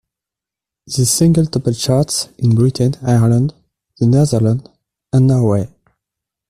The single topped charts in Britain, Ireland, the Netherlands and Norway.